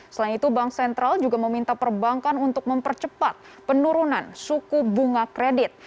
selain itu bank sentral juga meminta perbankan untuk mempercepat penurunan suku bunga kredit